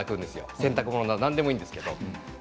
洗濯物なら何でもいいんですけど。